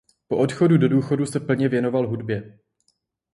Po odchodu do důchodu se plně věnoval hudbě.